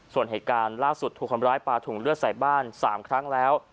ส่วนเหตุการณ์ล่าสุดถูกคนร้ายปลาถุงเลือดใส่บ้าน๓ครั้งแล้ว